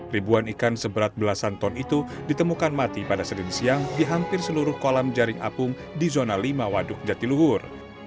ribuan ikan seberat belasan ton itu ditemukan mati pada senin siang di hampir seluruh kolam jaring apung di zona lima waduk jatiluhur